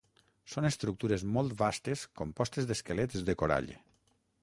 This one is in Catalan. Són estructures molt vastes compostes d'esquelets de corall.